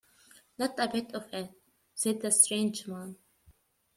"Not a bit of it," said the strange man.